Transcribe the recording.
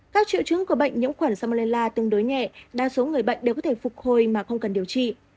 các triệu chứng của bệnh nhiễm khuẩn salmelar tương đối nhẹ đa số người bệnh đều có thể phục hồi mà không cần điều trị